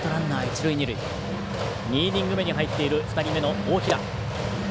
２イニング目に入っている２人目の大平。